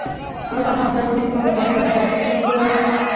وروسته هم داسې کوم بدلون تر سترګو نه شو.